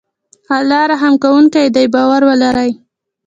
الله رحم کوونکی دی باور ولری